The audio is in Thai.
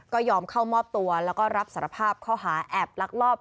ก็ยอมเข้ามอบตัวแล้วก็รับสารภาพข้อหาแอบลักลอบ